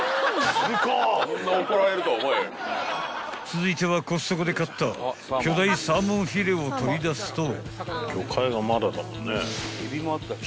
［続いてはコストコで買った巨大サーモンフィレを取り出すと］